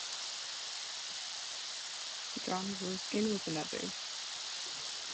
John Ruskin was another.